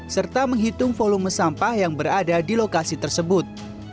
serta menghitung volume sampah yang berada di lokasi tersebut